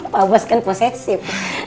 pak bos kan posesif